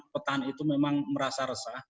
petani itu memang merasa resah